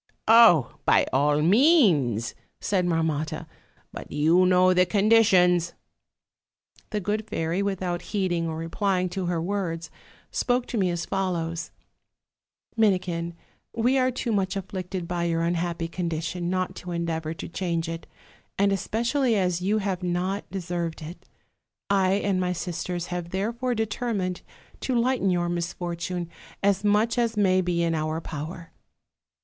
'Oh! by all means,' said Marmotta, 'but you know the conditions.' "The good fairy, without heeding or replying to her words, spoke to me as follows: 'Minikin, we are too much afflicted by your unhappy condition not to endeavor to change it, and especially as you have not deserved it. I and my sisters have therefore determined to lighten your misfortune as much as may be in our power.